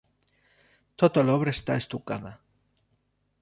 Tota l'obra està estucada.